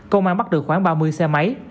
công an bắt được khoảng ba mươi xe máy